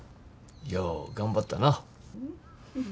よう頑張ったな。